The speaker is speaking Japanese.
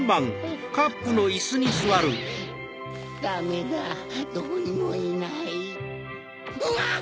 ダメだどこにもいない。